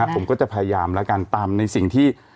ผมก็จะพยายามแล้วกันตามในสิ่งที่